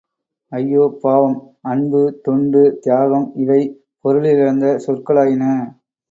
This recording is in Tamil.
ஐயோ பாவம் அன்பு, தொண்டு, தியாகம் இவை பொருளிழந்த சொற்களாயின.